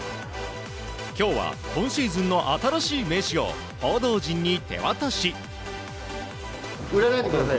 今日は今シーズンの新しい名刺を報道陣に手渡し。